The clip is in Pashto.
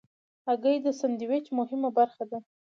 هګۍ د سندویچ مهمه برخه ده.